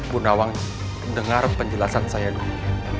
bu nawang dengar penjelasan saya dulu